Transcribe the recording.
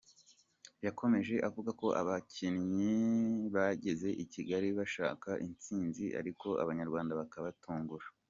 Yakomeje avuga ko abakinnyi bageze I Kigali bashaka intsinzi ariko Abanyarwanda bakabatungura.